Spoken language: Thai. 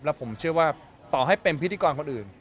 แล้วผมเชื่อว่าต่อให้เป็นพิธีกรคนอื่น